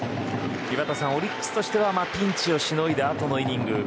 井端さん、オリックスとしてはピンチをしのいだあとのイニング。